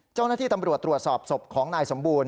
เจ้าหน้าที่ตำรวจตรวจสอบศพของนายสมบูรณ